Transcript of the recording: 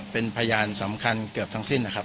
เป็นพยานสำคัญเกือบทั้งสิ้นนะครับ